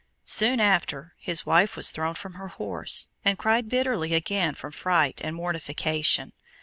Soon after his wife was thrown from her horse, and cried bitterly again from fright and mortification.